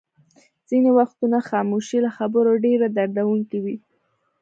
ځینې وختونه خاموشي له خبرو ډېره دردوونکې وي.